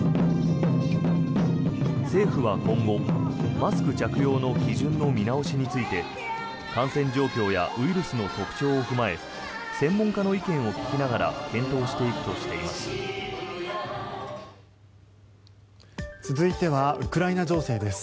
政府は今後、マスク着用の基準の見直しについて感染状況やウイルスの特徴を踏まえ専門家の意見を聞きながら検討していくとしています。